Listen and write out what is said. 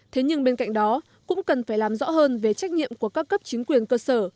thế nhưng bên cạnh đó cũng cần phải làm rõ hơn về trách nhiệm của các cấp chính quyền cơ sở